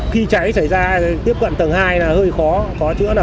khi cháy xảy ra thì tiếp cận tầng hai là hơi khó khó chữa